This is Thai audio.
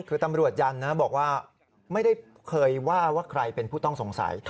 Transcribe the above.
คือตำรวจยันนะบอกว่าไม่ได้เคยว่าว่าใครเป็นผู้ต้องสงสัย